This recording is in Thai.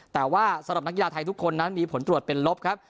แต่ว่าสำหรับนักกีฬาไทยทุกคนนั้นมีผลตรวจเป็นลบครับ